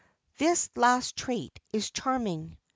[XXX 12] This last trait is charming.